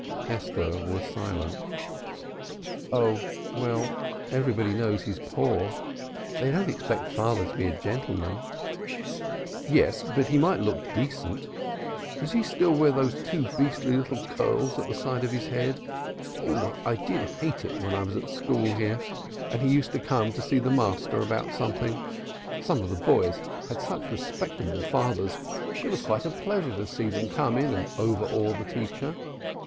Esther was silent. "Oh, well, everybody knows he's poor. They don't expect father to be a gentleman." "Yes, but he might look decent. Does he still wear those two beastly little curls at the side of his head? Oh, I did hate it when I was at school here, and he used to come to see the master about something. Some of the boys had such respectable fathers, it was quite a pleasure to see them come in and overawe the teacher.